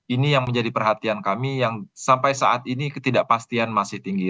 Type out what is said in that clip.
ini yang menjadi perhatian kami yang sampai saat ini ketidakpastian masih tinggi